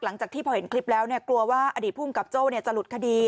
หลังจากที่พอเห็นคลิปแล้วกลัวว่าอดีตภูมิกับโจ้จะหลุดคดี